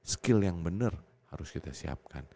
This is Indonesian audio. skill yang benar harus kita siapkan